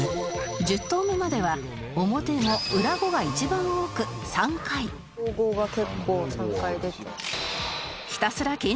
１０投目までは表５裏５が一番多く３回「５・５が結構３回出てる」